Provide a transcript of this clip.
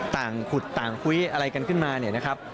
ขุดต่างคุยอะไรกันขึ้นมาเนี่ยนะครับ